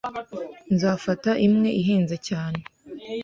Nzafata imwe ihenze cyane